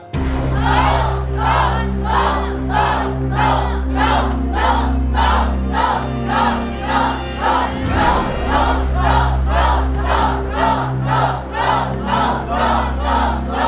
สู้